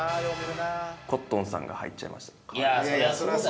コットンさんが入っちゃいました。